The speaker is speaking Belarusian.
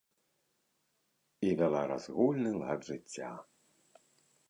І вяла разгульны лад жыцця.